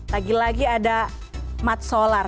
lagi lagi ada mat solar